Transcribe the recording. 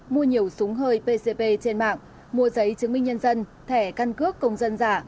mua nhiều súng hơi pcp trên mạng mua giấy chứng minh nhân dân thẻ căn cước công dân giả